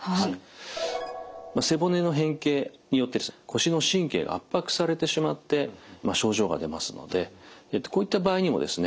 背骨の変形によって腰の神経が圧迫されてしまって症状が出ますのでこういった場合にもですね